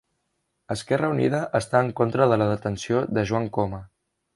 Esquerra Unida està en contra de la detenció de Joan Coma